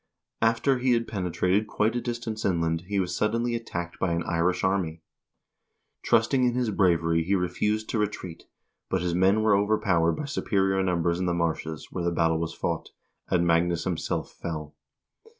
After he had pene trated quite a distance inland he was suddenly attacked by an Irish army. Trusting in his bravery he refused to retreat, but his men were overpowered by superior numbers in the marshes where the battle was fought, and Magnus himself fell.